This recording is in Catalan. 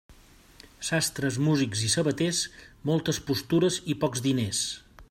Sastres, músics i sabaters, moltes postures i pocs diners.